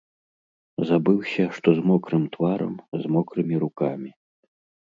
Забыўся, што з мокрым тварам, з мокрымі рукамі.